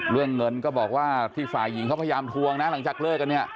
เรื่องเงินก็บอกว่าที่ฝ่ายหญิงเขาพยายามทวงนะหลังจากเลิกกันเนี่ย